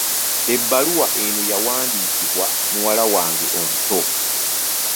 Ebbaluwa eno yawandiikibwa muwala wange omuto.